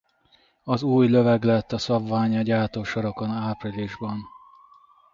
A új löveg lett a szabvány a gyártósorokon áprilisban.